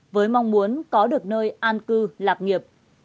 với mong muốn có được nơi an cư lạc nghiệp